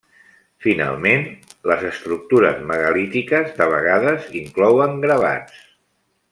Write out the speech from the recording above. Finalment, les estructures megalítiques de vegades inclouen gravats.